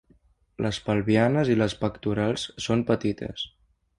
Les pelvianes i les pectorals són petites.